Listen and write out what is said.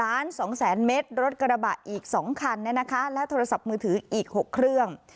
กลับรถกระบะอีกสองคันและโทรศัพท์มือถืออีกหกเครื่อง